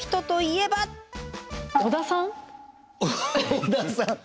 織田さん